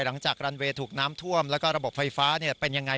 หลังจากรันเวย์ถูกน้ำท่วมแล้วก็ระบบไฟฟ้าเป็นยังไง